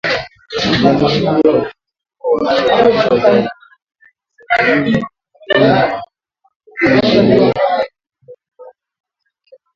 Vyanzo hivyo havikutoa taarifa zaidi juu ya shambulizi la karibuni na hakukuwa na maoni ya haraka kutoka serikalini